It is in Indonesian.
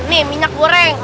nih minyak goreng